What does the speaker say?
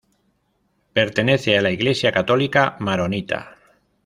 Pertenece a la Iglesia católica maronita.